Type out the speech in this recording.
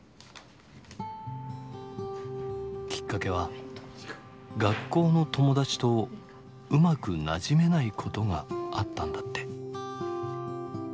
きっかけは学校の友達とうまくなじめないことがあったんだって。